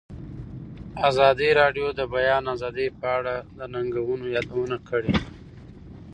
ازادي راډیو د د بیان آزادي په اړه د ننګونو یادونه کړې.